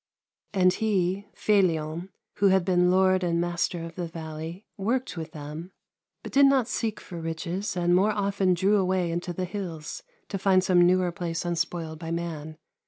And he, Felion, who had been lord and master of the valley, worked with them, but did not seek for riches, and more often drew away into the hills to find some newer place unspoiled by man.